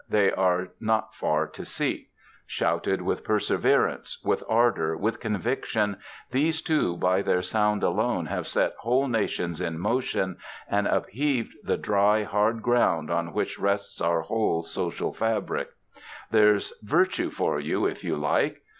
They are not far to seek. Shouted with perseverance, with ardor, with conviction, these two by their sound alone have set whole nations in motion and upheaved the dry, hard ground on which rests our whole social fabric. There's "virtue" for you if you like!...